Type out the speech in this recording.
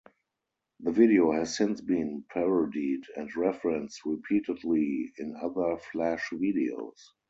The video has since been parodied and referenced repeatedly in other flash videos.